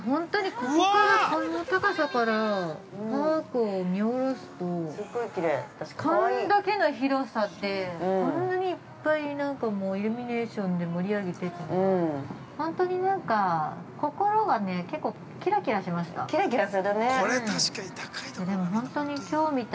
◆こんだけの広さでこんなにいっぱい、なんかもうイルミネーションで盛り上げてほんとになんか心がね、結構キラキラしました。